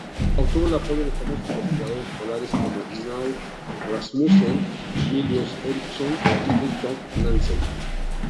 Obtuvo el apoyo de famosos investigadores polares como Knud Rasmussen, Mylius-Erichsen, Fridtjof Nansen.